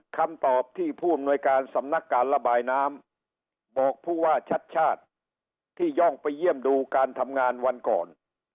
คำตอบที่ผู้อำนวยการสำนักการระบายน้ำบอกผู้ว่าชัดชาติที่ย่องไปเยี่ยมดูการทำงานวันก่อน